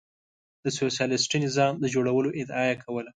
د سوسیالیستي نظام د جوړولو ادعا یې کوله.